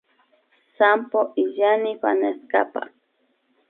Sampo illanmi fanestapa